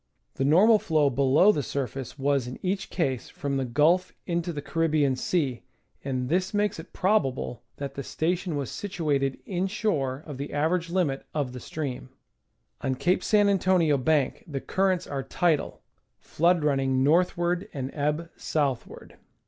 The normal flow below the surface was in each case from the Qulf into the Caribbean Sea, and this makes it probable that the station was situated inshore of the average limit of the stream. On Cape San Antonio Bank the currents are tidal, flood running northward and ebb southward.